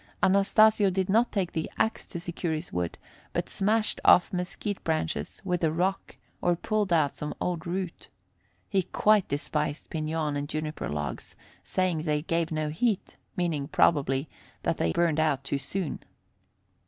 Anastasio did not take the ax to secure his wood, but smashed off mesquite branches with a rock or pulled out some old root. He quite despised piñon and juniper logs, saying they gave no heat meaning, probably, that they burned out too soon.